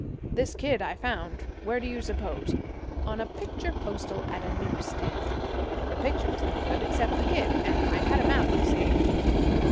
This kid I found where do you suppose? On a picture postal at a news stand. The picture was no good except the kid; and I cut him out, you see.